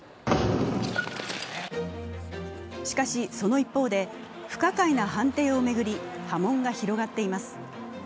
しかし、その一方で、不可解な判定を巡り波紋が広がっています。